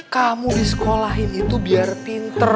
kamu disekolahin itu biar pinter